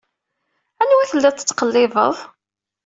Anwa i telliḍ tettqellibeḍ?